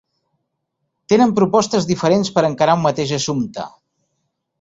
Tenen propostes diferents per encarar un mateix assumpte.